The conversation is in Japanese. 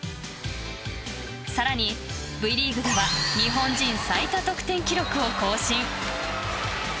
更にＶリーグでは日本人最多得点記録を更新。